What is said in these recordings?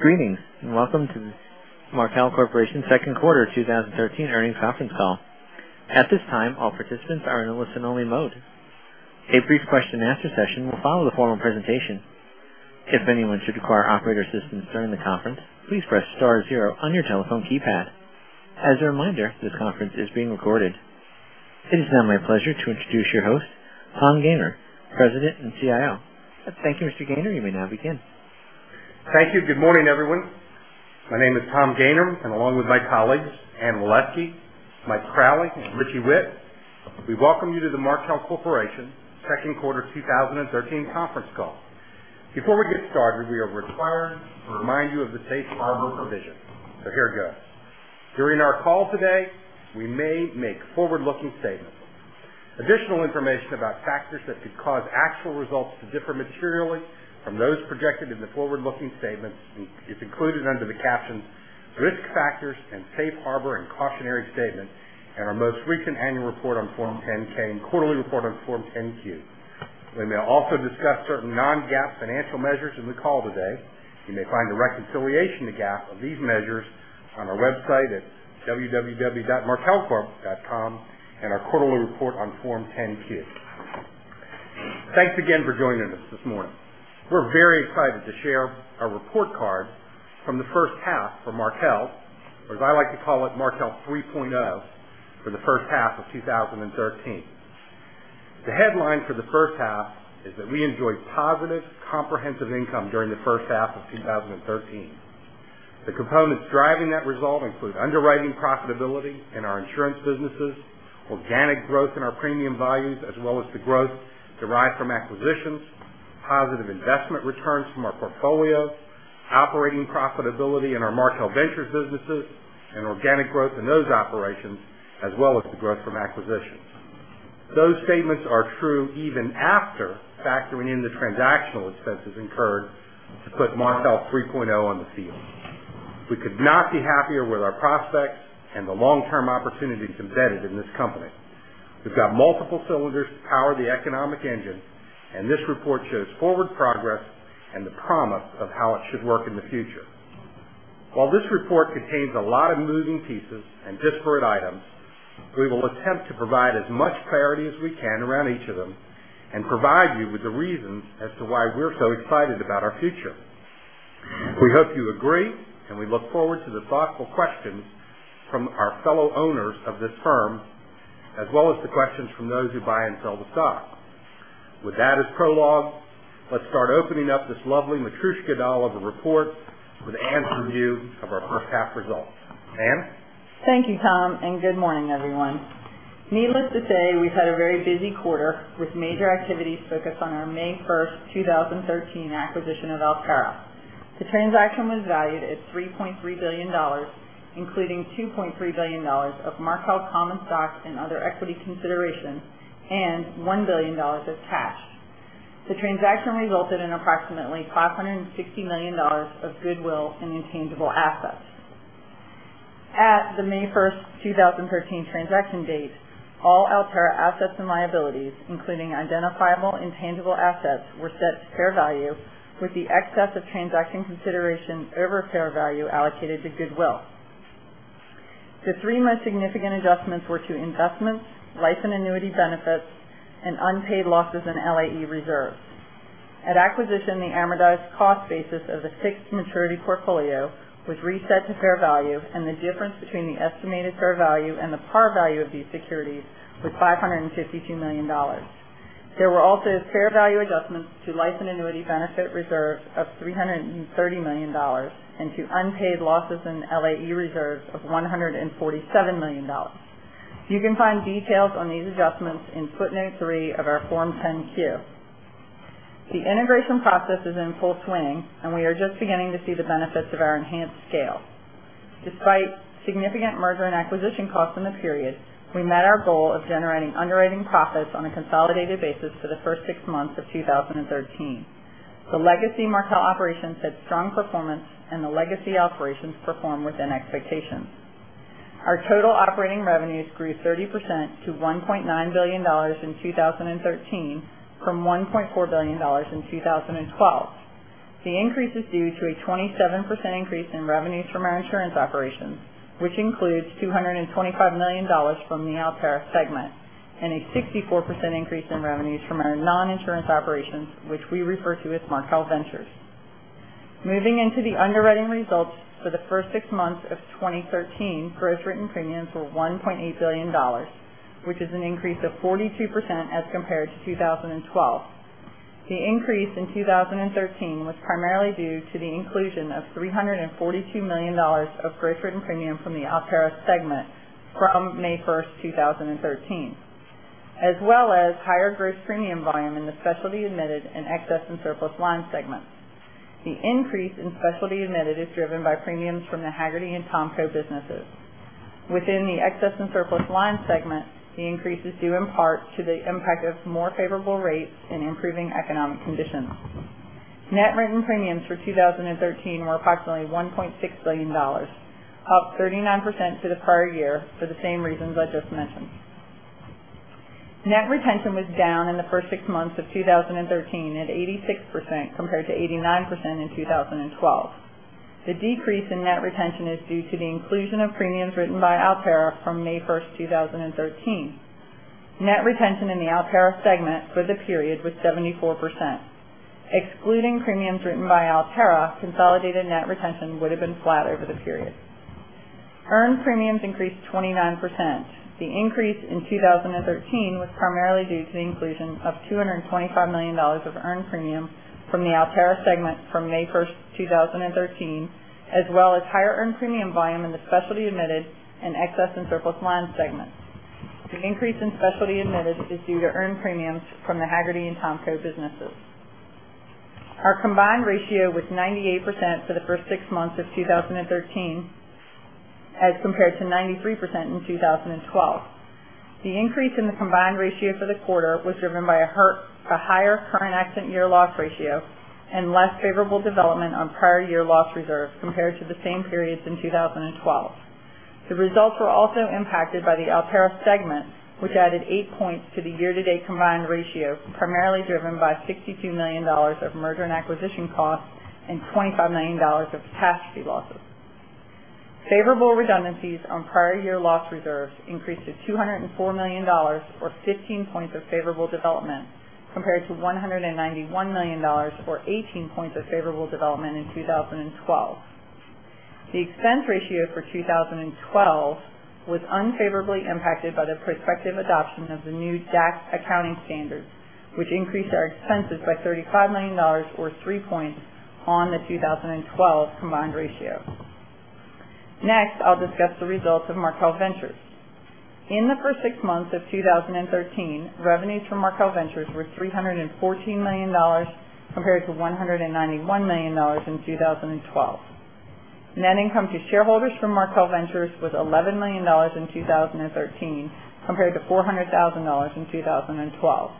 Greetings, welcome to the Markel Corporation second quarter 2013 earnings conference call. At this time, all participants are in a listen-only mode. A brief question and answer session will follow the formal presentation. If anyone should require operator assistance during the conference, please press star zero on your telephone keypad. As a reminder, this conference is being recorded. It is now my pleasure to introduce your host, Tom Gayner, President and CIO. Thank you, Mr. Gayner. You may now begin. Thank you. Good morning, everyone. My name is Tom Gayner, along with my colleagues, Anne G. Waleski, Mike Crowley, and Richie Whitt, we welcome you to the Markel Corporation second quarter 2013 conference call. Before we get started, we are required to remind you of the safe harbor provision. Here it goes. During our call today, we may make forward-looking statements. Additional information about factors that could cause actual results to differ materially from those projected in the forward-looking statements is included under the captions "Risk Factors" and "Safe Harbor and Cautionary Statements" in our most recent annual report on Form 10-K and quarterly report on Form 10-Q. We may also discuss certain non-GAAP financial measures in the call today. You may find a reconciliation to GAAP of these measures on our website at www.markelcorp.com and our quarterly report on Form 10-Q. Thanks again for joining us this morning. We're very excited to share our report card from the first half for Markel, or as I like to call it, Markel 3.0, for the first half of 2013. The headline for the first half is that we enjoyed positive comprehensive income during the first half of 2013. The components driving that result include underwriting profitability in our insurance businesses, organic growth in our premium volumes, as well as the growth derived from acquisitions, positive investment returns from our portfolio, operating profitability in our Markel Ventures businesses, and organic growth in those operations, as well as the growth from acquisitions. Those statements are true even after factoring in the transactional expenses incurred to put Markel 3.0 on the field. We could not be happier with our prospects and the long-term opportunities embedded in this company. We've got multiple cylinders to power the economic engine, this report shows forward progress and the promise of how it should work in the future. While this report contains a lot of moving pieces and disparate items, we will attempt to provide as much clarity as we can around each of them and provide you with the reasons as to why we're so excited about our future. We hope you agree, we look forward to the thoughtful questions from our fellow owners of this firm, as well as the questions from those who buy and sell the stock. With that as prologue, let's start opening up this lovely matryoshka doll of a report with Anne's review of our first half results. Anne? Thank you, Tom, and good morning, everyone. Needless to say, we've had a very busy quarter with major activities focused on our May 1st, 2013, acquisition of Alterra. The transaction was valued at $3.3 billion, including $2.3 billion of Markel common stock and other equity considerations, and $1 billion of cash. The transaction resulted in approximately $560 million of goodwill and intangible assets. At the May 1st, 2013, transaction date, all Alterra assets and liabilities, including identifiable intangible assets, were set to fair value, with the excess of transaction consideration over fair value allocated to goodwill. The three most significant adjustments were to investments, life and annuity benefits, and unpaid losses in LAE reserves. At acquisition, the amortized cost basis of the fixed maturity portfolio was reset to fair value, and the difference between the estimated fair value and the par value of these securities was $552 million. There were also fair value adjustments to life and annuity benefit reserves of $330 million and to unpaid losses in LAE reserves of $147 million. You can find details on these adjustments in footnote three of our Form 10-Q. The integration process is in full swing. We are just beginning to see the benefits of our enhanced scale. Despite significant merger and acquisition costs in the period, we met our goal of generating underwriting profits on a consolidated basis for the first six months of 2013. The legacy Markel operations had strong performance. The legacy operations performed within expectations. Our total operating revenues grew 30% to $1.9 billion in 2013 from $1.4 billion in 2012. The increase is due to a 27% increase in revenues from our insurance operations, which includes $225 million from the Alterra segment, and a 64% increase in revenues from our non-insurance operations, which we refer to as Markel Ventures. Moving into the underwriting results for the first six months of 2013, gross written premiums were $1.8 billion, which is an increase of 42% as compared to 2012. The increase in 2013 was primarily due to the inclusion of $342 million of gross written premium from the Alterra segment from May 1st, 2013, as well as higher gross premium volume in the specialty admitted and excess and surplus line segments. The increase in specialty admitted is driven by premiums from the Hagerty & THOMCO businesses. Within the excess and surplus line segment, the increase is due in part to the impact of more favorable rates and improving economic conditions. Net written premiums for 2013 were approximately $1.6 billion, up 39% to the prior year for the same reasons I just mentioned. Net retention was down in the first six months of 2013 at 86%, compared to 89% in 2012. The decrease in net retention is due to the inclusion of premiums written by Alterra from May 1st, 2013. Net retention in the Alterra segment for the period was 74%. Excluding premiums written by Alterra, consolidated net retention would've been flat over the period. Earned premiums increased 29%. The increase in 2013 was primarily due to the inclusion of $225 million of earned premium from the Alterra segment from May 1st, 2013, as well as higher earned premium volume in the specialty admitted and excess and surplus line segments. The increase in specialty admitted is due to earned premiums from the Hagerty & THOMCO businesses. Our combined ratio was 98% for the first six months of 2013 as compared to 93% in 2012. The increase in the combined ratio for the quarter was driven by a higher current accident year loss ratio and less favorable development on prior year loss reserves compared to the same periods in 2012. The results were also impacted by the Alterra segment, which added 8 points to the year-to-date combined ratio, primarily driven by $62 million of merger and acquisition costs and $25 million of catastrophe losses. Favorable redundancies on prior year loss reserves increased to $204 million, or 15 points of favorable development, compared to $191 million, or 18 points of favorable development in 2012. The expense ratio for 2012 was unfavorably impacted by the prospective adoption of the new DAC accounting standards, which increased our expenses by $35 million or 3 points on the 2012 combined ratio. I'll discuss the results of Markel Ventures. In the first six months of 2013, revenues from Markel Ventures were $314 million compared to $191 million in 2012. Net income to shareholders from Markel Ventures was $11 million in 2013 compared to $400,000 in 2012.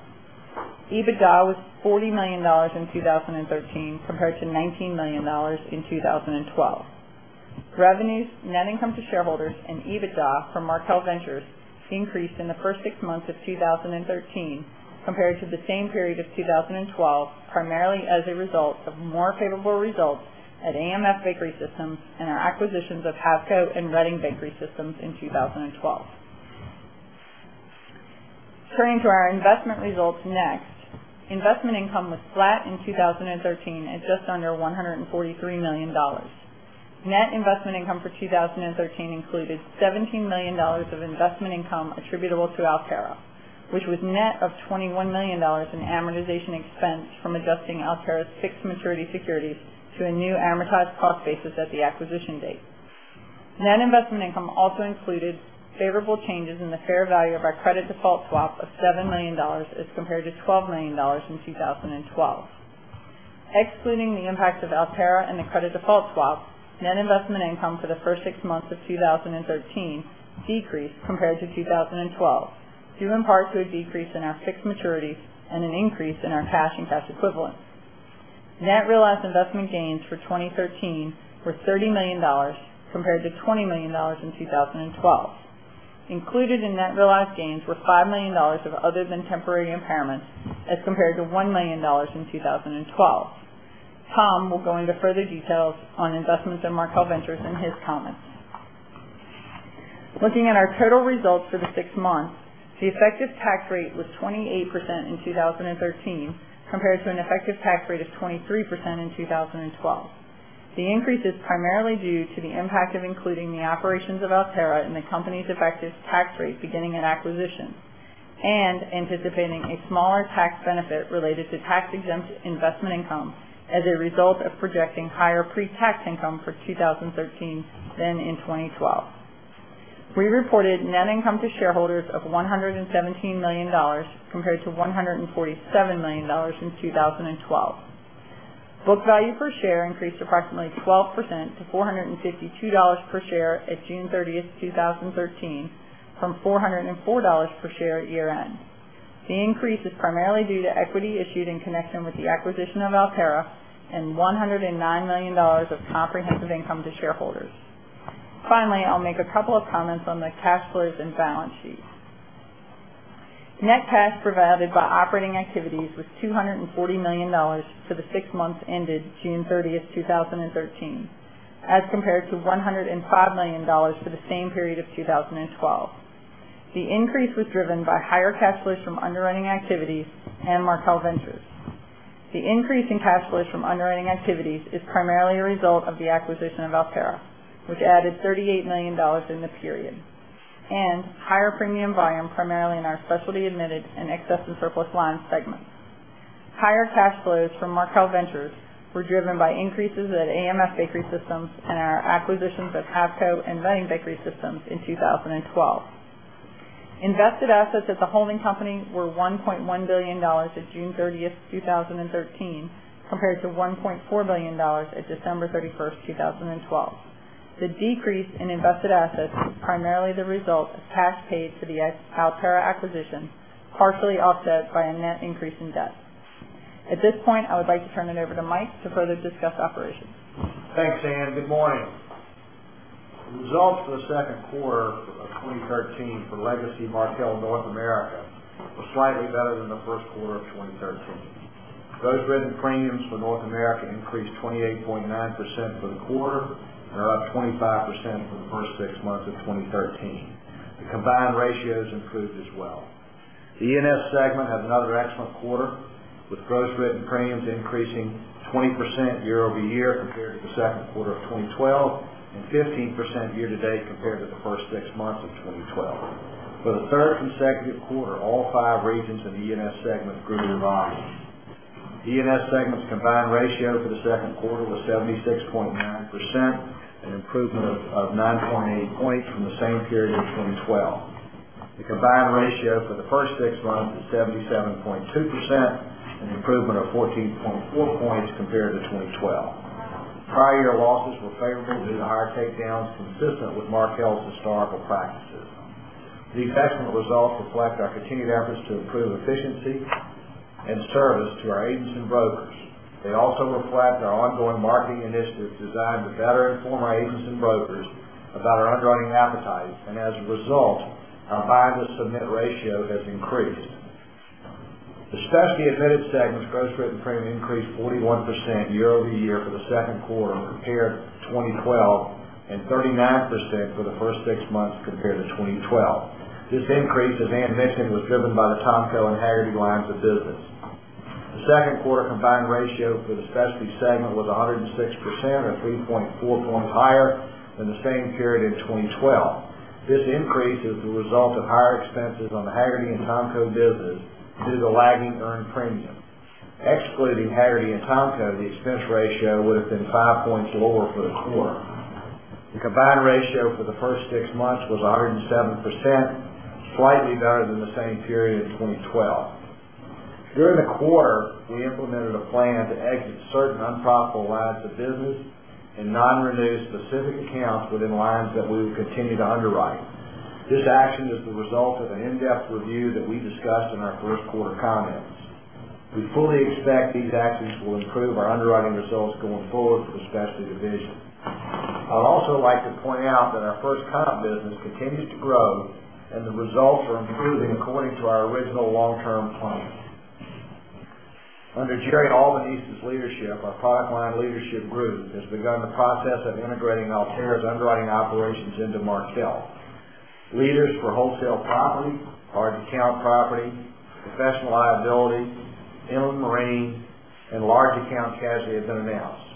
EBITDA was $40 million in 2013 compared to $19 million in 2012. Revenues, net income to shareholders, and EBITDA from Markel Ventures increased in the first six months of 2013 compared to the same period of 2012, primarily as a result of more favorable results at AMF Bakery Systems and our acquisitions of Havco and Reading Bakery Systems in 2012. Turning to our investment results next. Investment income was flat in 2013 at just under $143 million. Net investment income for 2013 included $17 million of investment income attributable to Alterra, which was net of $21 million in amortization expense from adjusting Alterra's fixed maturity securities to a new amortized cost basis at the acquisition date. Net investment income also included favorable changes in the fair value of our credit default swap of $7 million as compared to $12 million in 2012. Excluding the impact of Alterra and the credit default swap, net investment income for the first six months of 2013 decreased compared to 2012, due in part to a decrease in our fixed maturities and an increase in our cash and cash equivalents. Net realized investment gains for 2013 were $30 million compared to $20 million in 2012. Included in net realized gains were $5 million of other-than-temporary impairments as compared to $1 million in 2012. Tom will go into further details on investments in Markel Ventures in his comments. Looking at our total results for the six months, the effective tax rate was 28% in 2013 compared to an effective tax rate of 23% in 2012. The increase is primarily due to the impact of including the operations of Alterra in the company's effective tax rate beginning at acquisition and anticipating a smaller tax benefit related to tax-exempt investment income as a result of projecting higher pre-tax income for 2013 than in 2012. We reported net income to shareholders of $117 million compared to $147 million in 2012. Book value per share increased approximately 12% to $452 per share at June 30th, 2013 from $404 per share at year-end. Finally, I'll make a couple of comments on the cash flows and balance sheet. Net cash provided by operating activities was $240 million for the six months ended June 30th, 2013, as compared to $105 million for the same period of 2012. The increase was driven by higher cash flows from underwriting activities and Markel Ventures. The increase in cash flows from underwriting activities is primarily a result of the acquisition of Alterra, which added $38 million in the period, and higher premium volume primarily in our specialty admitted and excess and surplus line segments. Higher cash flows from Markel Ventures were driven by increases at AMF Bakery Systems and our acquisitions of Havco and Reading Bakery Systems in 2012. Invested assets at the holding company were $1.1 billion at June 30th, 2013, compared to $1.4 billion at December 31st, 2012. The decrease in invested assets was primarily the result of cash paid for the Alterra acquisition, partially offset by a net increase in debt. At this point, I would like to turn it over to Mike to further discuss operations. Thanks, Anne. Good morning. The results for the second quarter of 2013 for Legacy Markel North America were slightly better than the first quarter of 2013. Gross written premiums for North America increased 28.9% for the quarter and are up 25% from the first six months of 2013. The combined ratios improved as well. The E&S segment had another excellent quarter, with gross written premiums increasing 20% year-over-year compared to the second quarter of 2012 and 15% year-to-date compared to the first six months of 2012. For the third consecutive quarter, all five regions of the E&S segment grew their volumes. The E&S segment's combined ratio for the second quarter was 76.9%, an improvement of 9.8 points from the same period in 2012. The combined ratio for the first six months is 77.2%, an improvement of 14.4 points compared to 2012. Prior year losses were favorable due to higher takedowns consistent with Markel's historical practices. These excellent results reflect our continued efforts to improve efficiency and service to our agents and brokers. They also reflect our ongoing marketing initiatives designed to better inform our agents and brokers about our underwriting appetite, and as a result, our bind-and-submit ratio has increased. The specialty admitted segment's gross written premium increased 41% year-over-year for the second quarter compared to 2012, and 39% for the first six months compared to 2012. This increase, as Anne mentioned, was driven by the THOMCO and Hagerty lines of business. The second quarter combined ratio for the specialty segment was 106%, or 3.4 points higher than the same period in 2012. This increase is the result of higher expenses on the Hagerty and THOMCO business due to lagging earned premium. Excluding Hagerty and THOMCO, the expense ratio would have been five points lower for the quarter. The combined ratio for the first six months was 107%, slightly better than the same period in 2012. During the quarter, we implemented a plan to exit certain unprofitable lines of business and non-renew specific accounts within lines that we will continue to underwrite. This action is the result of an in-depth review that we discussed in our first quarter comments. We fully expect these actions will improve our underwriting results going forward for the specialty division. I'd also like to point out that our FirstComp business continues to grow, and the results are improving according to our original long-term plan. Under Jerry Albanese's leadership, our product line leadership group has begun the process of integrating Alterra's underwriting operations into Markel. Leaders for wholesale property, large account property, professional liability, inland marine, and large account casualty have been announced.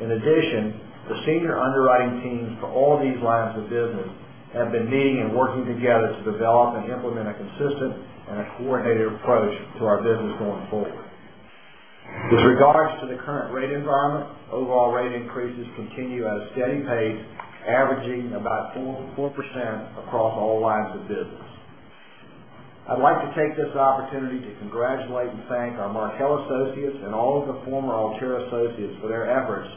In addition, the senior underwriting teams for all these lines of business have been meeting and working together to develop and implement a consistent and a coordinated approach to our business going forward. With regards to the current rate environment, overall rate increases continue at a steady pace, averaging about 4% across all lines of business. I'd like to take this opportunity to congratulate and thank our Markel associates and all of the former Alterra associates for their efforts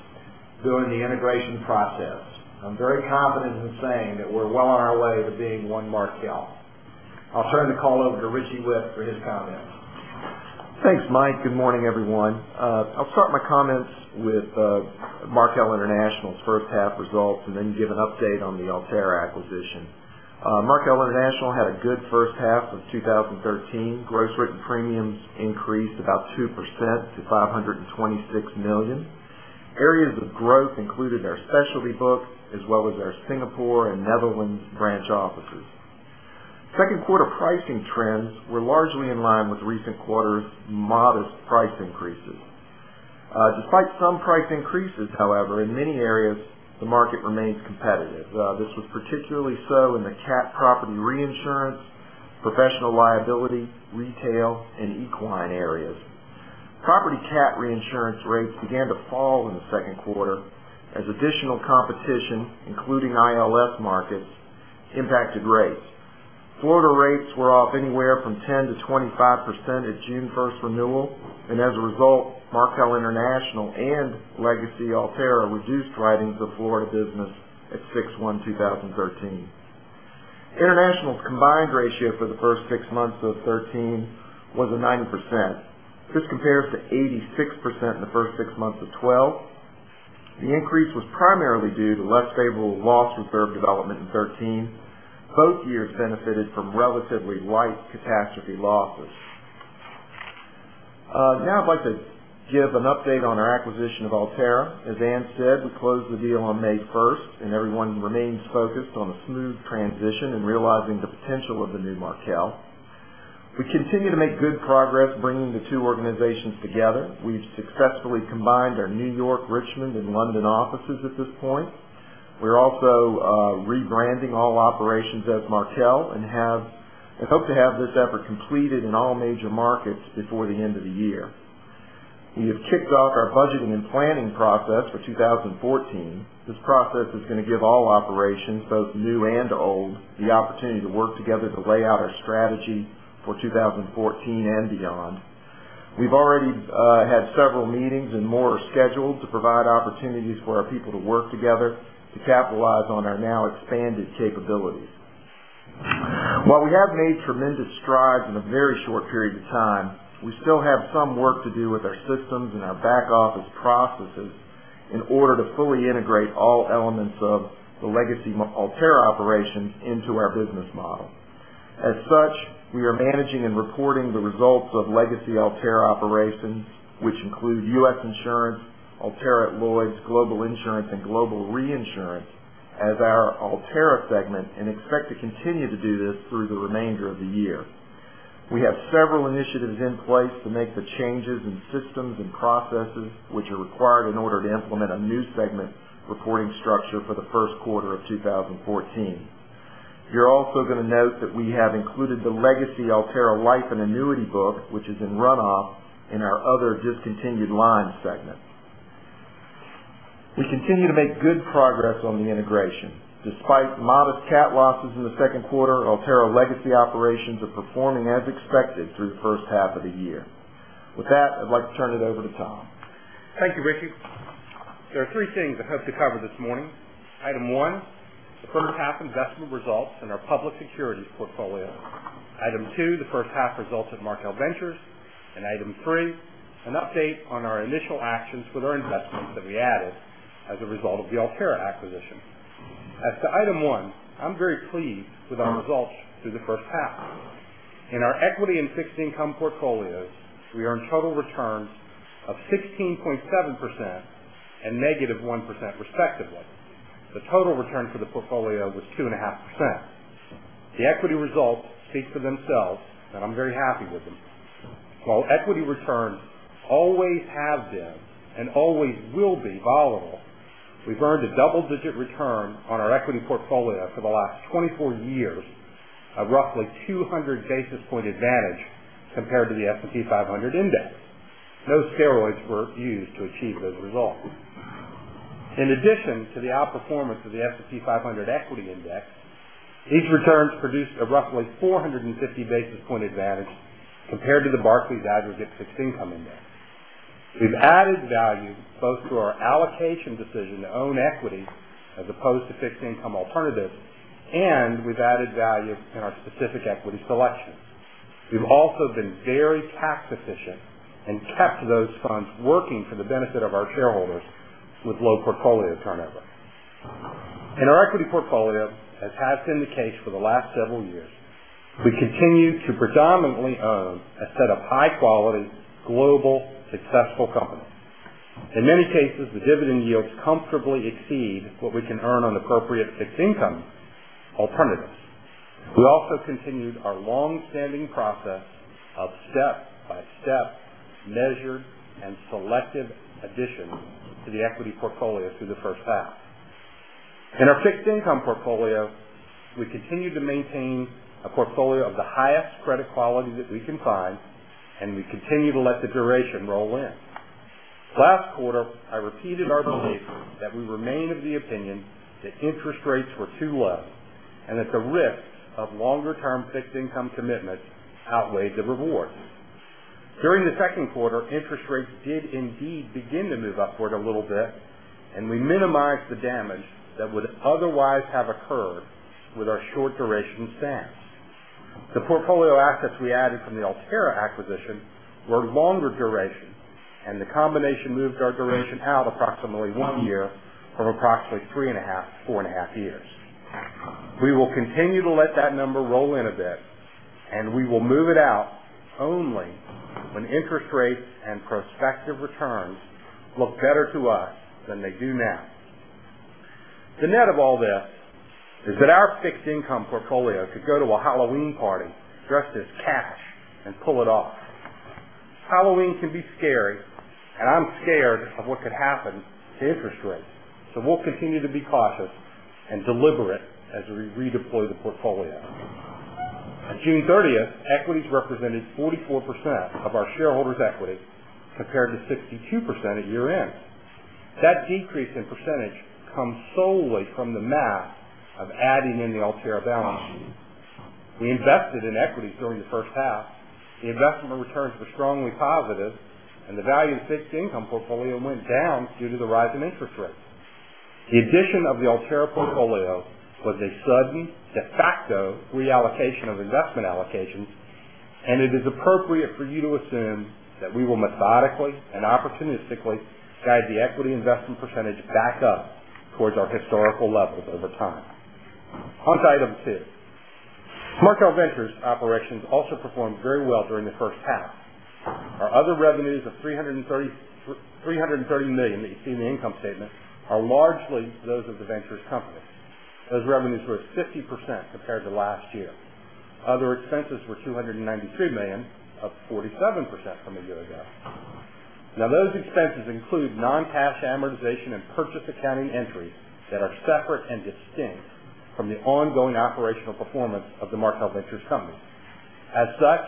during the integration process. I'm very confident in saying that we're well on our way to being one Markel. I'll turn the call over to Richie Whitt for his comments. Thanks, Mike. Good morning, everyone. I'll start my comments with Markel International's first half results and then give an update on the Alterra acquisition. Markel International had a good first half of 2013. Gross written premiums increased about 2% to $526 million. Areas of growth included our specialty book, as well as our Singapore and Netherlands branch offices. Second quarter pricing trends were largely in line with recent quarters' modest price increases. Despite some price increases, however, in many areas, the market remains competitive. This was particularly so in the cat property reinsurance, professional liability, retail, and equine areas. Property cat reinsurance rates began to fall in the second quarter as additional competition, including ILS markets, impacted rates. Florida rates were off anywhere from 10%-25% at June 1st renewal, and as a result, Markel International and Legacy Alterra reduced writings of Florida business at 6/1/2013. International's combined ratio for the first six months of 2013 was at 90%. This compares to 86% in the first six months of 2012. The increase was primarily due to less favorable loss reserve development in 2013. Both years benefited from relatively light catastrophe losses. Now I'd like to give an update on our acquisition of Alterra. As Anne said, we closed the deal on May 1st, and everyone remains focused on a smooth transition and realizing the potential of the new Markel. We continue to make good progress bringing the two organizations together. We've successfully combined our New York, Richmond, and London offices at this point. We're also rebranding all operations as Markel and hope to have this effort completed in all major markets before the end of the year. We have kicked off our budgeting and planning process for 2014. This process is going to give all operations, both new and old, the opportunity to work together to lay out our strategy for 2014 and beyond. We've already had several meetings and more are scheduled to provide opportunities for our people to work together to capitalize on our now expanded capabilities. While we have made tremendous strides in a very short period of time, we still have some work to do with our systems and our back office processes in order to fully integrate all elements of the legacy Alterra operations into our business model. As such, we are managing and reporting the results of legacy Alterra operations, which include U.S. insurance, Alterra at Lloyd's, global insurance, and global reinsurance as our Alterra segment, and expect to continue to do this through the remainder of the year. We have several initiatives in place to make the changes in systems and processes which are required in order to implement a new segment reporting structure for the first quarter of 2014. You're also going to note that we have included the legacy Alterra life and annuity book, which is in runoff in our other discontinued lines segment. We continue to make good progress on the integration. Despite modest cat losses in the second quarter, Alterra legacy operations are performing as expected through the first half of the year. With that, I'd like to turn it over to Tom. Thank you, Ricky. There are three things I hope to cover this morning. Item 1, the first half investment results in our public securities portfolio. Item 2, the first half results of Markel Ventures. Item 3, an update on our initial actions with our investments that we added as a result of the Alterra acquisition. As to Item 1, I'm very pleased with our results through the first half. In our equity and fixed income portfolios, we earned total returns of 16.7% and -1%, respectively. The total return for the portfolio was 2.5%. The equity results speak for themselves, and I'm very happy with them. While equity returns always have been and always will be volatile, we've earned a double-digit return on our equity portfolio for the last 24 years of roughly 200 basis point advantage compared to the S&P 500 Index. No steroids were used to achieve those results. In addition to the outperformance of the S&P 500 equity index, these returns produced a roughly 450 basis point advantage compared to the Barclays Aggregate Bond Index. We've added value both to our allocation decision to own equity as opposed to fixed income alternatives, and we've added value in our specific equity selections. We've also been very tax efficient and kept those funds working for the benefit of our shareholders with low portfolio turnover. In our equity portfolio, as has been the case for the last several years, we continue to predominantly own a set of high-quality, global, successful companies. In many cases, the dividend yields comfortably exceed what we can earn on appropriate fixed income alternatives. We also continued our long-standing process of step-by-step, measured, and selective additions to the equity portfolio through the first half. In our fixed income portfolio, we continue to maintain a portfolio of the highest credit quality that we can find, and we continue to let the duration roll in. Last quarter, I repeated our belief that we remain of the opinion that interest rates were too low and that the risks of longer-term fixed income commitments outweighed the rewards. During the second quarter, interest rates did indeed begin to move upward a little bit, and we minimized the damage that would otherwise have occurred with our short duration stance. The portfolio assets we added from the Alterra acquisition were longer duration, and the combination moved our duration out approximately one year from approximately three and a half, four and a half years. We will continue to let that number roll in a bit, and we will move it out only when interest rates and prospective returns look better to us than they do now. The net of all this is that our fixed income portfolio could go to a Halloween party dressed as cash and pull it off. Halloween can be scary, and I'm scared of what could happen to interest rates, so we'll continue to be cautious and deliberate as we redeploy the portfolio. On June 30, equities represented 44% of our shareholders' equity, compared to 62% at year-end. That decrease in percentage comes solely from the math of adding in the Alterra balance sheet. We invested in equities during the first half. The investment returns were strongly positive, and the value of fixed income portfolio went down due to the rise in interest rates. The addition of the Alterra portfolio was a sudden, de facto reallocation of investment allocations, and it is appropriate for you to assume that we will methodically and opportunistically guide the equity investment percentage back up towards our historical levels over time. On to item two. Markel Ventures operations also performed very well during the first half. Our other revenues of $330 million that you see in the income statement are largely those of the Markel Ventures company. Those revenues were up 50% compared to last year. Other expenses were $293 million, up 47% from a year ago. Those expenses include non-cash amortization and purchase accounting entries that are separate and distinct from the ongoing operational performance of the Markel Ventures companies. As such,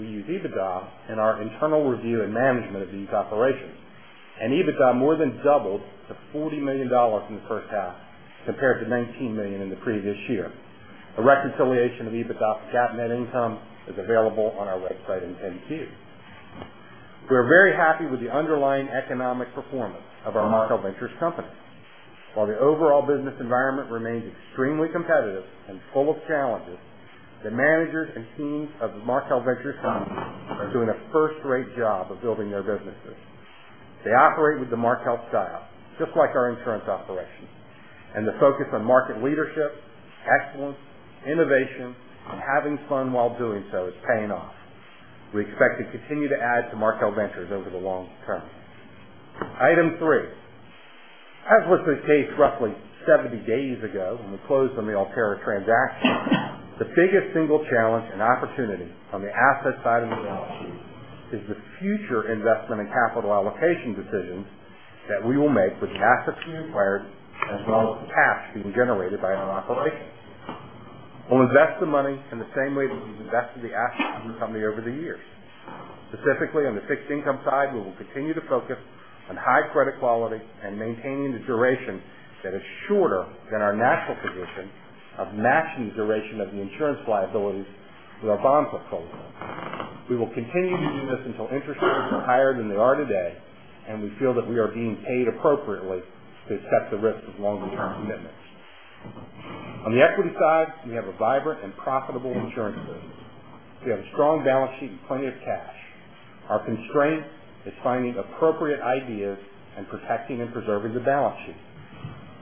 we use EBITDA in our internal review and management of these operations, and EBITDA more than doubled to $40 million in the first half compared to $19 million in the previous year. A reconciliation of EBITDA to GAAP net income is available on our website in the Form 10-Q. We are very happy with the underlying economic performance of our Markel Ventures companies. While the overall business environment remains extremely competitive and full of challenges, the managers and teams of the Markel Ventures companies are doing a first-rate job of building their businesses. They operate with the Markel style, just like our insurance operations. The focus on market leadership, excellence, innovation, and having fun while doing so is paying off. We expect to continue to add to Markel Ventures over the long term. Item three, as was the case roughly 70 days ago when we closed on the Alterra transaction, the biggest single challenge and opportunity on the asset side of the balance sheet is the future investment and capital allocation decisions that we will make with the cash required as well as the cash being generated by our operations. We'll invest the money in the same way that we've invested the assets of the company over the years. Specifically, on the fixed income side, we will continue to focus on high credit quality and maintaining the duration that is shorter than our natural position of matching the duration of the insurance liabilities with our bond portfolio. We will continue to do this until interest rates are higher than they are today. We feel that we are being paid appropriately to accept the risks of longer-term commitments. On the equity side, we have a vibrant and profitable insurance business. We have a strong balance sheet and plenty of cash. Our constraint is finding appropriate ideas and protecting and preserving the balance sheet.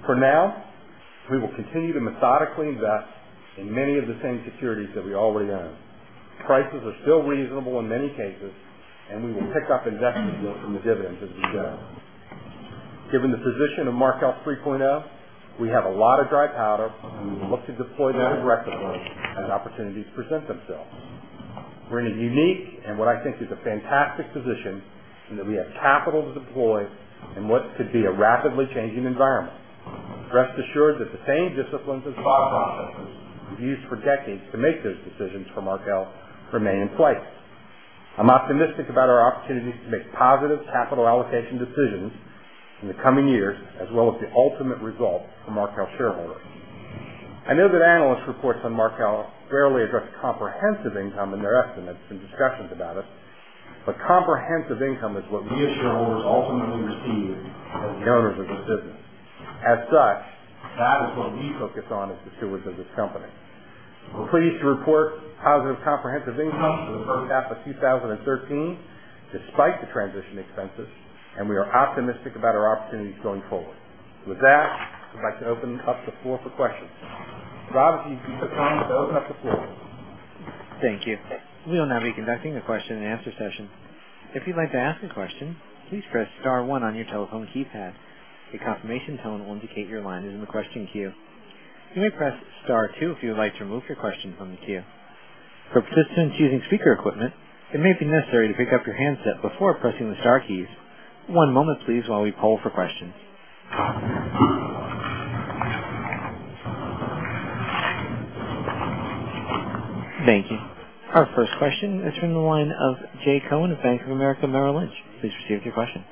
For now, we will continue to methodically invest in many of the same securities that we already own. Prices are still reasonable in many cases, and we will pick up investment yield from the dividends as we go. Given the position of Markel 3.0, we have a lot of dry powder, and we will look to deploy that aggressively as opportunities present themselves. We're in a unique, and what I think is a fantastic position in that we have capital to deploy in what could be a rapidly changing environment. Rest assured that the same disciplines and thought processes we've used for decades to make those decisions for Markel remain in place. I'm optimistic about our opportunities to make positive capital allocation decisions in the coming years, as well as the ultimate result for Markel shareholders. I know that analyst reports on Markel rarely address comprehensive income in their estimates and discussions about us, but comprehensive income is what we as shareholders ultimately receive as the owners of this business. As such, that is what we focus on as the stewards of this company. We're pleased to report positive comprehensive income for the first half of 2013, despite the transition expenses. We are optimistic about our opportunities going forward. With that, I'd like to open up the floor for questions. Rob, if you'd be so kind to open up the floor. Thank you. We will now be conducting a question and answer session. If you'd like to ask a question, please press star one on your telephone keypad. A confirmation tone will indicate your line is in the question queue. You may press star two if you would like to remove your question from the queue. For participants using speaker equipment, it may be necessary to pick up your handset before pressing the star keys. One moment, please, while we poll for questions. Thank you. Our first question is from the line of Jay Cohen of Bank of America Merrill Lynch. Please proceed with your question.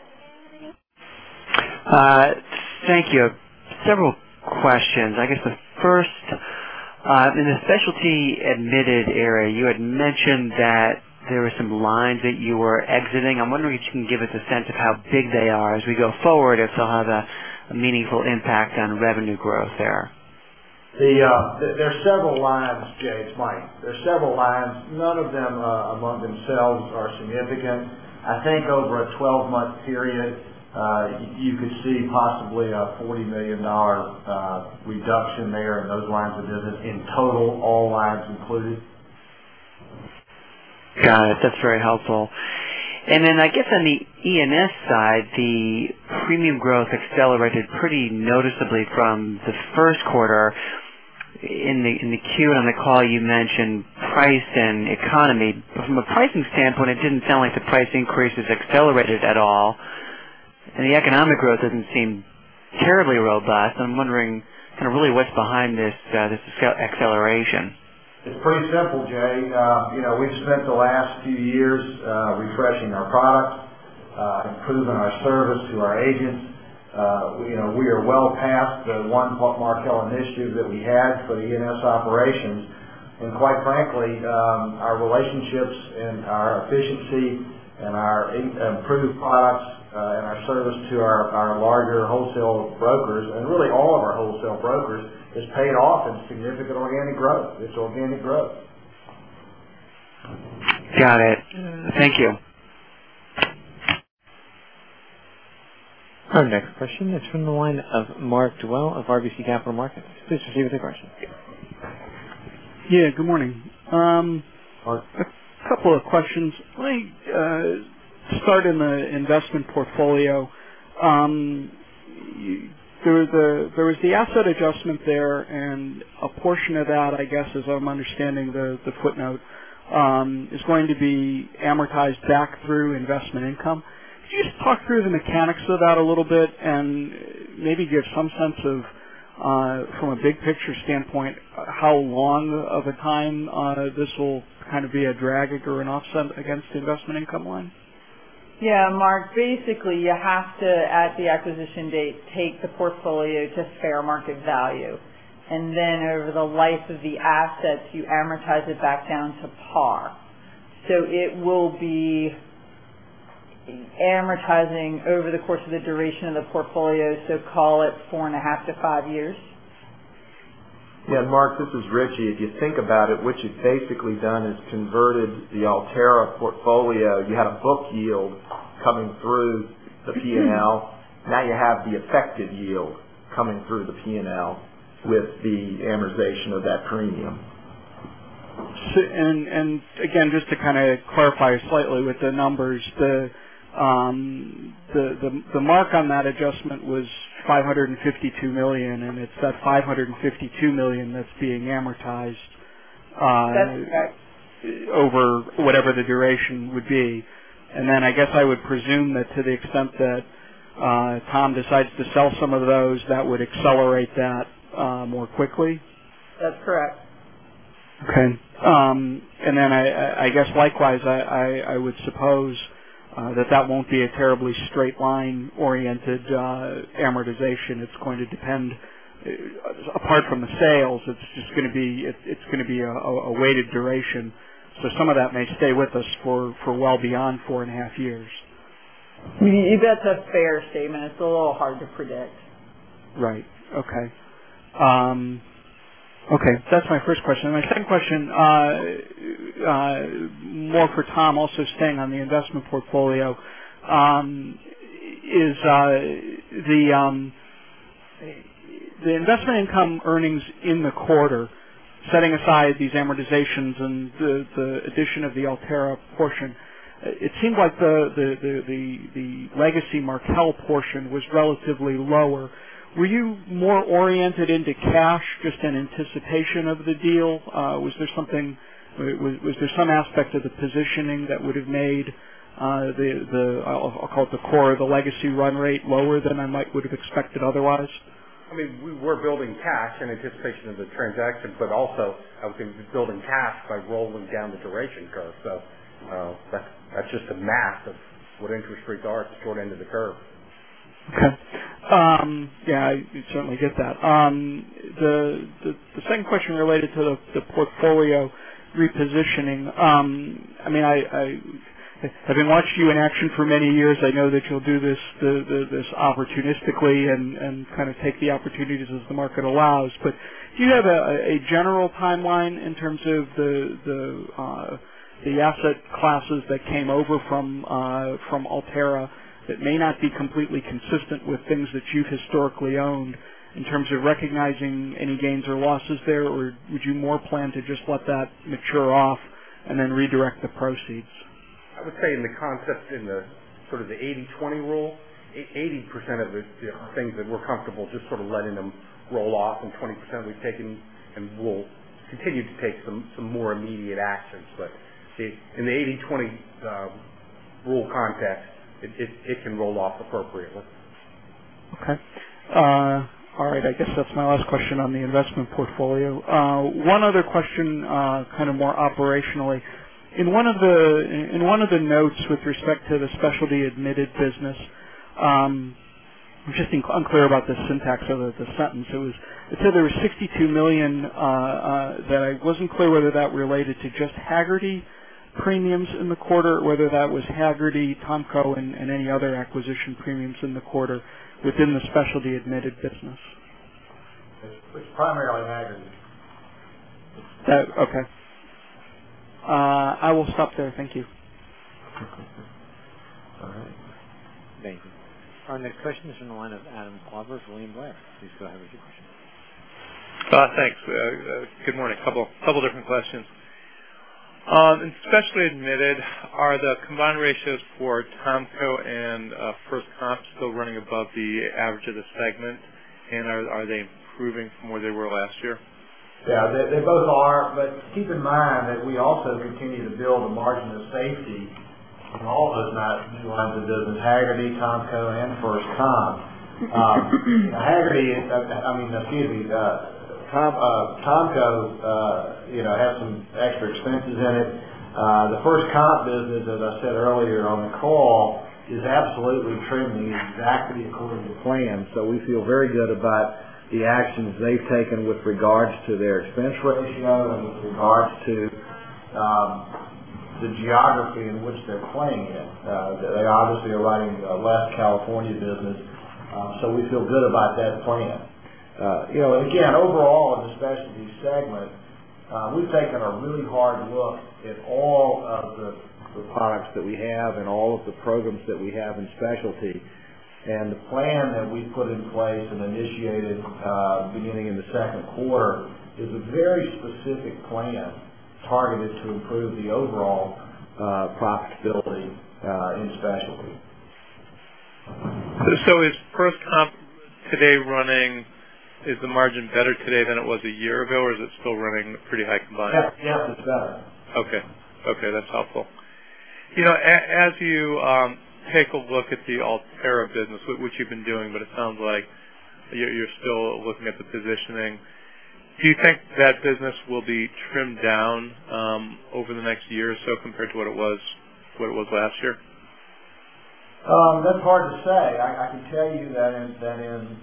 Thank you. Several questions. I guess the first, in the Specialty Admitted area, you had mentioned that there were some lines that you were exiting. I'm wondering if you can give us a sense of how big they are as we go forward, if they'll have a meaningful impact on revenue growth there. There are several lines, Jay. It's Mike. There are several lines. None of them among themselves are significant. I think over a 12-month period, you could see possibly a $40 million reduction there in those lines of business in total, all lines included. Got it. That's very helpful. I guess on the E&S side, the premium growth accelerated pretty noticeably from the first quarter. In the Form 10-Q on the call, you mentioned price and economy. From a pricing standpoint, it didn't sound like the price increases accelerated at all. The economic growth doesn't seem terribly robust. I'm wondering kind of really what's behind this acceleration. It's pretty simple, Jay. We've spent the last few years refreshing our products, improving our service to our agents. We are well past the One Markel Initiative that we had for the E&S operations. Quite frankly, our relationships and our efficiency and our improved products and our service to our larger wholesale brokers, and really all of our wholesale brokers, has paid off in significant organic growth. It's organic growth. Got it. Thank you. Our next question is from the line of Mark Dwelle of RBC Capital Markets. Please proceed with your question. Yeah, good morning. Mark. A couple of questions. Let me start in the investment portfolio. There was the asset adjustment there, and a portion of that, I guess, as I'm understanding the footnote, is going to be amortized back through investment income. Could you just talk through the mechanics of that a little bit and maybe give some sense of, from a big picture standpoint, how long of a time this will kind of be a drag or an offset against the investment income line? Yeah, Mark, basically, you have to, at the acquisition date, take the portfolio to fair market value. Then over the life of the assets, you amortize it back down to par. It will be amortizing over the course of the duration of the portfolio, so call it four and a half to five years. Yeah, Mark, this is Richie. If you think about it, what you've basically done is converted the Alterra portfolio. You had a book yield coming through the P&L. Now you have the effective yield coming through the P&L with the amortization of that premium. Again, just to kind of clarify slightly with the numbers, the mark on that adjustment was $552 million. It's that $552 million that's being amortized. That's correct. over whatever the duration would be. I guess I would presume that to the extent that Tom decides to sell some of those, that would accelerate that more quickly. That's correct. Okay. I guess likewise, I would suppose that that won't be a terribly straight line-oriented amortization. It's going to depend, apart from the sales, it's going to be a weighted duration. Some of that may stay with us for well beyond four and a half years. That's a fair statement. It's a little hard to predict. Right. Okay. That's my first question. My second question, more for Tom, also staying on the investment portfolio. The investment income earnings in the quarter, setting aside these amortizations and the addition of the Alterra portion, it seemed like the legacy Markel portion was relatively lower. Were you more oriented into cash just in anticipation of the deal? Was there some aspect of the positioning that would have made the, I'll call it the core, the legacy run rate lower than I might would have expected otherwise? We were building cash in anticipation of the transaction. Also building cash by rolling down the duration curve. That's just a math of what interest rates are at the short end of the curve. Okay. Yeah, you'd certainly get that. The second question related to the portfolio repositioning. I have watched you in action for many years. I know that you'll do this opportunistically and kind of take the opportunities as the market allows. Do you have a general timeline in terms of the asset classes that came over from Alterra that may not be completely consistent with things that you've historically owned in terms of recognizing any gains or losses there? Would you more plan to just let that mature off and then redirect the proceeds? I would say in the concept of the 80/20 rule, 80% of the things that we're comfortable just sort of letting them roll off. 20% we've taken and will continue to take some more immediate actions. In the 80/20 rule context, it can roll off appropriately. Okay. All right. I guess that's my last question on the investment portfolio. One other question, kind of more operationally. In one of the notes with respect to the Specialty Admitted business, I am just unclear about the syntax of the sentence. It said there was $62 million that I was not clear whether that related to just Hagerty premiums in the quarter, or whether that was Hagerty, THOMCO, and any other acquisition premiums in the quarter within the Specialty Admitted business. It is primarily Hagerty. Okay. I will stop there. Thank you. All right. Thank you. Our next question is in the line of Adam Klauber, William Blair. Please go ahead with your question. Thanks. Good morning. A couple different questions. In specialty admitted, are the combined ratios for THOMCO and FirstComp still running above the average of the segment? Are they improving from where they were last year? Yeah, they both are. Keep in mind that we also continue to build a margin of safety in all of those lines of business, Hagerty, THOMCO, and FirstComp. THOMCO has some extra expenses in it. The FirstComp business, as I said earlier on the call, is absolutely trimming exactly according to plan. We feel very good about the actions they've taken with regards to their expense ratio and with regards to the geography in which they're playing in. They obviously are writing less California business. We feel good about that plan. Again, overall in the specialty segment, we've taken a really hard look at all of the products that we have and all of the programs that we have in specialty. The plan that we put in place and initiated beginning in the second quarter is a very specific plan targeted to improve the overall profitability in specialty. Is First Comp today, is the margin better today than it was a year ago, or is it still running pretty high combined? Yeah, it's better. Okay. That's helpful. As you take a look at the Alterra business, which you've been doing, but it sounds like you're still looking at the positioning. Do you think that business will be trimmed down over the next year or so compared to what it was last year? That's hard to say. I can tell you that in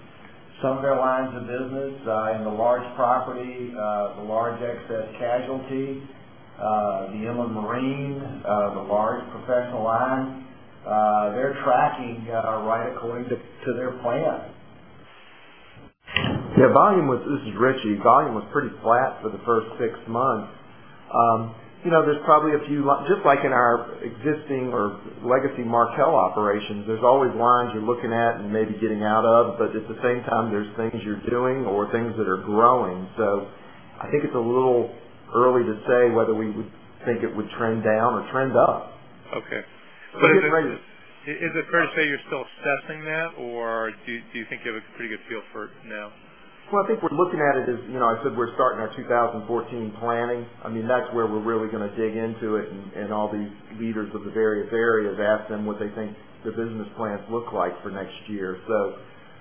some of our lines of business in the large property, the large excess casualty, the inland marine, the large professional line, they're tracking right according to their plan. Yeah. This is Richie. Volume was pretty flat for the first six months. There's probably a few, just like in our existing or legacy Markel operations, there's always lines you're looking at and maybe getting out of, but at the same time, there's things you're doing or things that are growing. I think it's a little early to say whether we would think it would trend down or trend up. Okay. Is it fair to say you're still assessing that, or do you think you have a pretty good feel for it now? Well, I think we're looking at it as, I said we're starting our 2014 planning. That's where we're really going to dig into it and all the leaders of the various areas, ask them what they think the business plans look like for next year.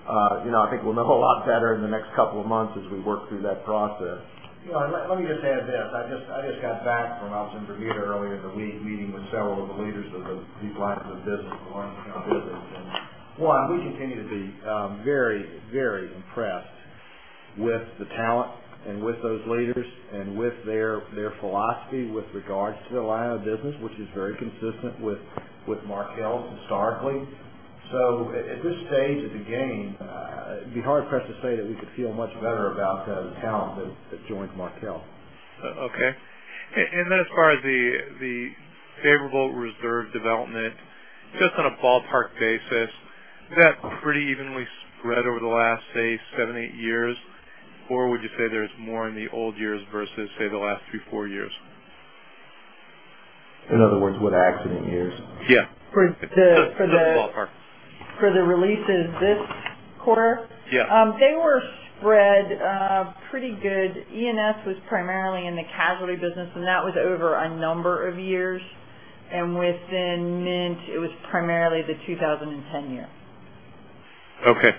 I think we'll know a lot better in the next couple of months as we work through that process. Let me just add this. I just got back. I was in Bermuda earlier in the week, meeting with several of the leaders of these lines of business. One, we continue to be very impressed with the talent and with those leaders and with their philosophy with regards to the line of business, which is very consistent with Markel historically. At this stage of the game, it'd be hard-pressed to say that we could feel much better about the talent that has joined Markel. Okay. As far as the favorable reserve development, just on a ballpark basis, is that pretty evenly spread over the last, say, seven, eight years? Or would you say there's more in the old years versus, say, the last three, four years? In other words, what accident years? Yeah. Just ballpark. For the releases this quarter? Yeah. They were spread pretty good. E&S was primarily in the casualty business, that was over a number of years. Within Mint, it was primarily the 2010 year. Okay.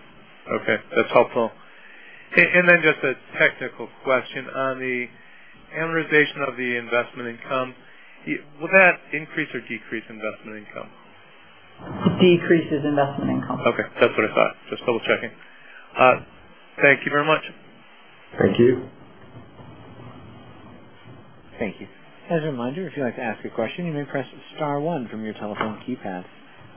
That's helpful. Then just a technical question. On the amortization of the investment income, will that increase or decrease investment income? Decreases investment income. Okay. That's what I thought. Just double-checking. Thank you very much. Thank you. Thank you. As a reminder, if you'd like to ask a question, you may press star one from your telephone keypad.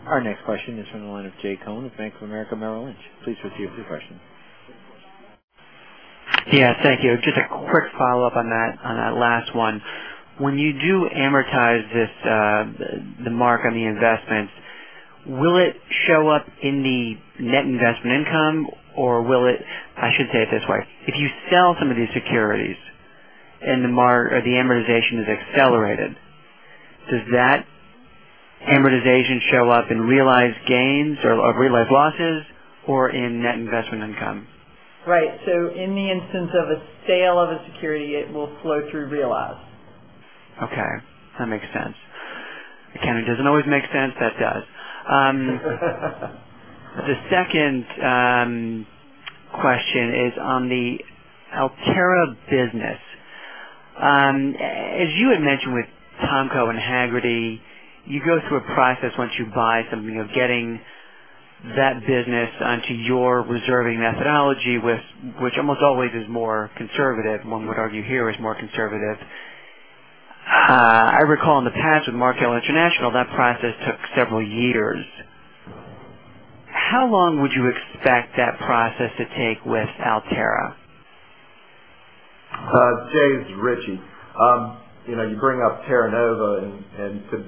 Our next question is from the line of Jay Cohen of Bank of America Merrill Lynch. Please proceed with your question. Yeah, thank you. Just a quick follow-up on that last one. When you do amortize the mark on the investments, will it show up in the net investment income, or I should say it this way. If you sell some of these securities and the amortization is accelerated, does that amortization show up in realized gains or realized losses or in net investment income? Right. In the instance of a sale of a security, it will flow through realized. That makes sense. It doesn't always make sense. That does. The second question is on the Alterra business. As you had mentioned with THOMCO and Hagerty, you go through a process once you buy something of getting that business onto your reserving methodology, which almost always is more conservative. One would argue here is more conservative. I recall in the past with Markel International, that process took several years. How long would you expect that process to take with Alterra? Jay, this is Richie. You bring up Terra Nova.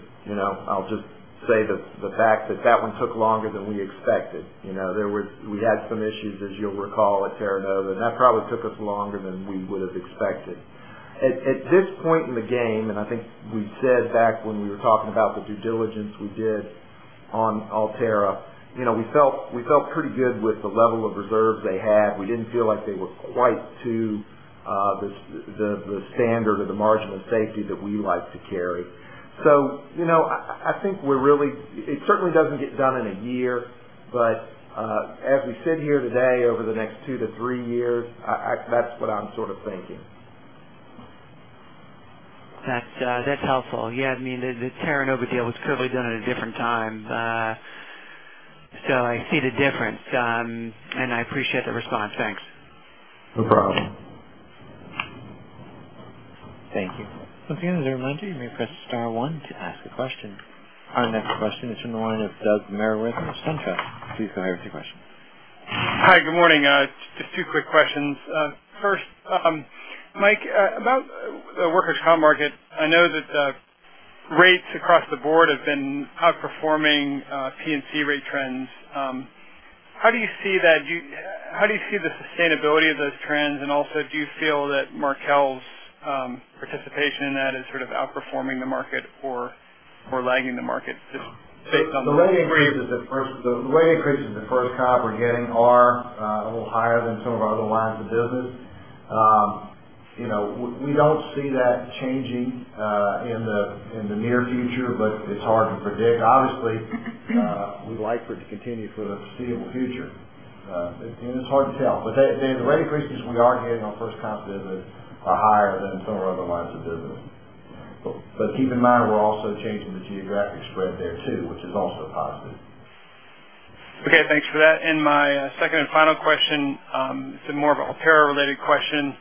I'll just say the fact that that one took longer than we expected. We had some issues, as you'll recall, at Terra Nova. That probably took us longer than we would have expected. At this point in the game, I think we said back when we were talking about the due diligence we did on Alterra, we felt pretty good with the level of reserves they had. We didn't feel like they were quite to the standard of the margin of safety that we like to carry. I think it certainly doesn't get done in a year. As we sit here today, over the next two to three years, that's what I'm sort of thinking. That's helpful. The Terra Nova deal was clearly done at a different time. I see the difference. I appreciate the response. Thanks. No problem. Thank you. Once again, as a reminder, you may press star one to ask a question. Our next question is from the line of Douglas Meyer with SunTrust. Please go ahead with your question. Hi, good morning. Just two quick questions. First, Mike, about the workers' comp market. I know that rates across the board have been outperforming P&C rate trends. How do you see the sustainability of those trends? Also, do you feel that Markel's participation in that is sort of outperforming the market or lagging the market? Just based on- The rate increases, the FirstComp we're getting are a little higher than some of our other lines of business. We don't see that changing in the near future, but it's hard to predict. Obviously, we'd like for it to continue for the foreseeable future. It's hard to tell. The rate increases we are getting on FirstComp business are higher than some of our other lines of business. Keep in mind, we're also changing the geographic spread there too, which is also positive. Okay, thanks for that. My second and final question, it's more of an Alterra related question.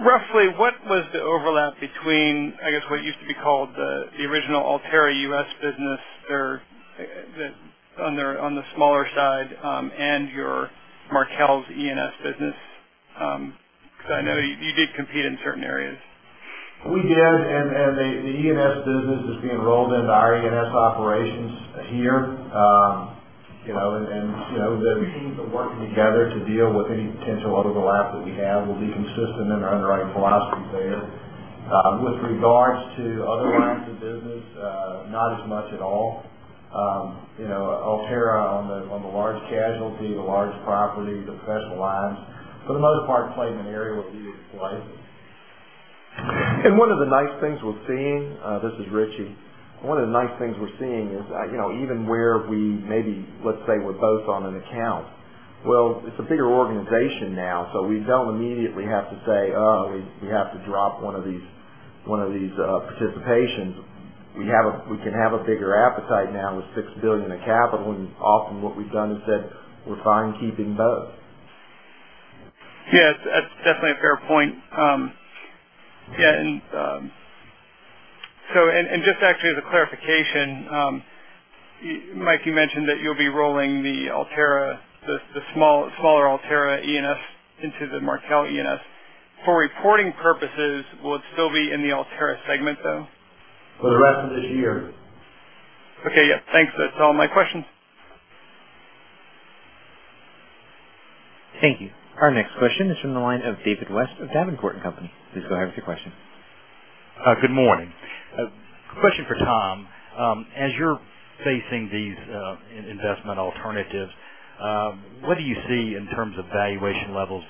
Roughly, what was the overlap between, I guess, what used to be called the original Alterra U.S. business on the smaller side, and your Markel's E&S business? I know you did compete in certain areas. We did, the E&S business is being rolled into our E&S operations here. The teams are working together to deal with any potential overlap that we have. We'll be consistent in our underwriting philosophies there. With regards to other lines of business, not as much at all. Alterra on the large casualty, the large property, the professional lines, for the most part, played in an area where we didn't play. One of the nice things we're seeing, this is Richie. One of the nice things we're seeing is even where we maybe, let's say we're both on an account. Well, it's a bigger organization now, so we don't immediately have to say, "Oh, we have to drop one of these participations." We can have a bigger appetite now with $6 billion of capital. Often what we've done is said, we're fine keeping both. Yeah, that's definitely a fair point. Just actually as a clarification, Mike, you mentioned that you'll be rolling the smaller Alterra E&S into the Markel E&S. For reporting purposes, will it still be in the Alterra segment, though? For the rest of this year. Okay. Yeah. Thanks. That's all my questions. Thank you. Our next question is from the line of David West of Davenport & Company. Please go ahead with your question. Good morning. Question for Tom. As you're facing these investment alternatives, what do you see in terms of valuation levels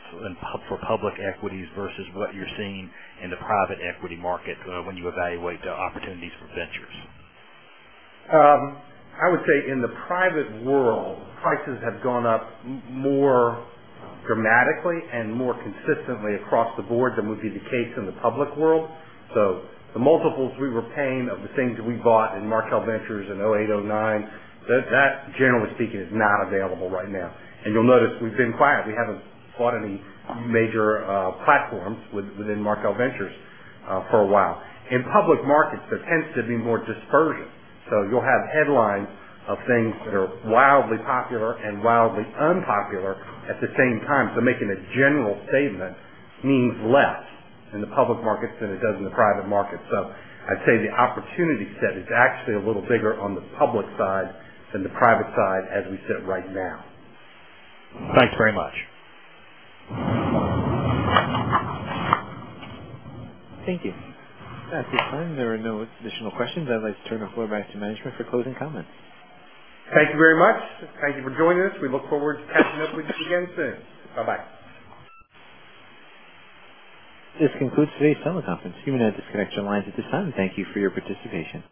for public equities versus what you're seeing in the private equity market when you evaluate opportunities for Ventures? I would say in the private world, prices have gone up more dramatically and more consistently across the board than would be the case in the public world. The multiples we were paying of the things that we bought in Markel Ventures in 2008, 2009, that, generally speaking, is not available right now. You'll notice we've been quiet. We haven't bought any major platforms within Markel Ventures for a while. In public markets, there tends to be more dispersion. You'll have headlines of things that are wildly popular and wildly unpopular at the same time. Making a general statement means less in the public market than it does in the private market. I'd say the opportunity set is actually a little bigger on the public side than the private side as we sit right now. Thanks very much. Thank you. At this time, there are no additional questions. I'd like to turn the floor back to management for closing comments. Thank you very much. Thank you for joining us. We look forward to catching up with you again soon. Bye-bye. This concludes today's teleconference. You may now disconnect your lines at this time. Thank you for your participation.